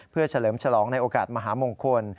เพื่อเฉลิมฉลองในโอกาสมหามงคล